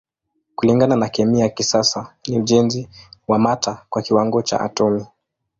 Kulingana na kemia ya kisasa ni ujenzi wa mata kwa kiwango cha atomi.